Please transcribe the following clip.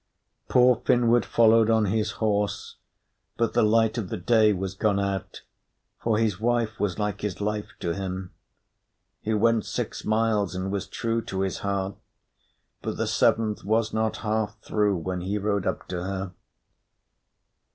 Poor Finnward followed on his horse, but the light of the day was gone out, for his wife was like his life to him. He went six miles and was true to his heart; but the seventh was not half through when he rode up to her.